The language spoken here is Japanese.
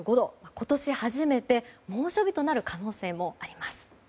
今年初めて猛暑日となる可能性もあります。